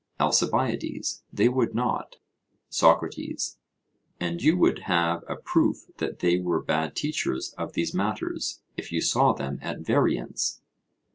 ALCIBIADES: They would not. SOCRATES: And you would have a proof that they were bad teachers of these matters, if you saw them at variance?